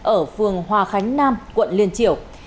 ở phường hòa khánh nam quận liên triều